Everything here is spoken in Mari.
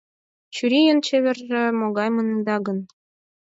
Чурийын чеверже могай маныда гын